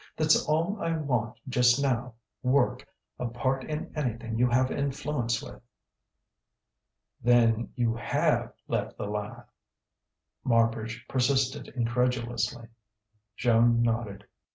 "That's all I want just now work a part in anything you have influence with." "Then you have left 'The Lie'?" Marbridge persisted incredulously. Joan nodded.